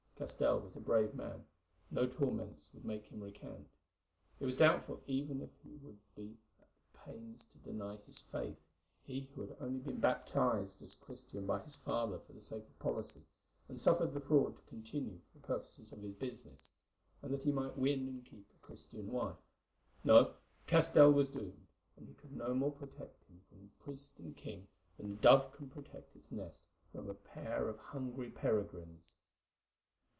Castell was a brave man; no torments would make him recant. It was doubtful even if he would be at the pains to deny his faith, he who had only been baptized a Christian by his father for the sake of policy, and suffered the fraud to continue for the purposes of his business, and that he might win and keep a Christian wife. No, Castell was doomed, and he could no more protect him from priest and king than a dove can protect its nest from a pair of hungry peregrines.